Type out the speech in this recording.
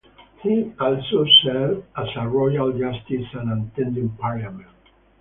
He also served as a royal justice and attended parliament.